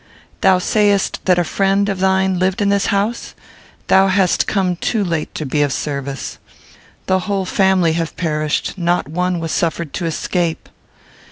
Thou sayest that a friend of thine lived in this house: thou hast come too late to be of service. The whole family have perished. Not one was suffered to escape."